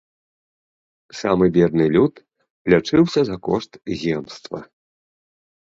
Самы бедны люд лячыўся за кошт земства.